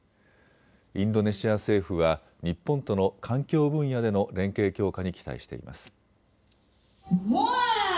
インドネシア政府は日本との環境分野での連携強化に期待しています。